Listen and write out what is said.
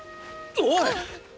おい！